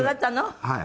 「はい」